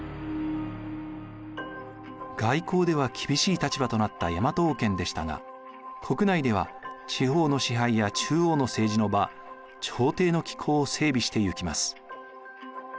外交では厳しい立場となった大和王権でしたが国内では地方の支配や中央の政治の場朝廷の機構を整備していきます。